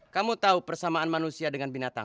kamu tahu persamaan manusia dengan binatang